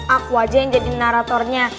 aku aja yang jadi naratornya